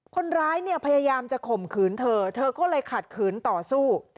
คนร้ายเนี่ยพยายามจะข่มขืนเธอเธอก็เลยขัดขืนต่อสู้